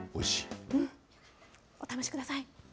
お試しください。